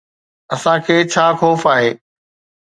اسان کي ڇا خوف آهي؟